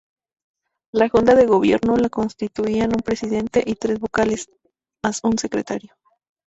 La Junta de Gobierno la constituían un Presidente y tres vocales, más un Secretario.